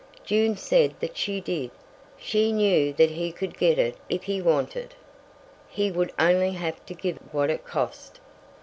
June said that she did. She knew that he could get it if he wanted. He would only have to give what it cost.